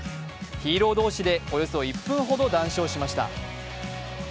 ヒーロー同士でおよそ１分ほど談笑しました。